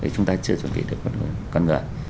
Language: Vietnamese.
chúng ta chưa chuẩn bị được con người